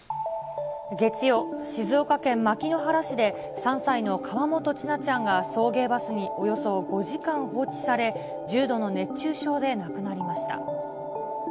月曜、静岡県牧之原市で３歳の河本千奈ちゃんが、送迎バスにおよそ５時間放置され、重度の熱中症で亡くなりました。